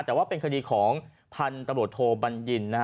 แต่ว่าเป็นคดีของพันธบทโธบัญญิณนะฮะ